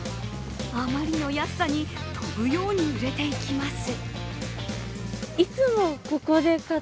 あまりの安さに飛ぶように売れていきます。